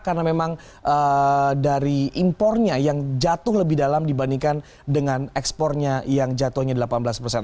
karena memang dari impornya yang jatuh lebih dalam dibandingkan dengan ekspornya yang jatuhnya delapan belas persen